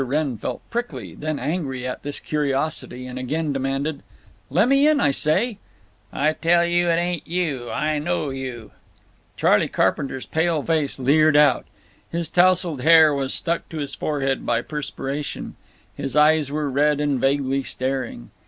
Wrenn felt prickly, then angry at this curiosity, and again demanded: "Lemme in, I say." "Tell you it ain't you. I know you!" Charley Carpenter's pale face leered out. His tousled hair was stuck to his forehead by perspiration; his eyes were red and vaguely staring.